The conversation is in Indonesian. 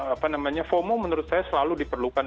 apa namanya fomo menurut saya selalu diperlukan